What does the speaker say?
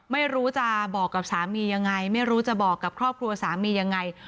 ไม่รู้จะบอกกับสามียังไงไม่รู้จะบอกกับครอบครัวสามียังไง